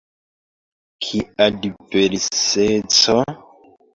Kia diverseco?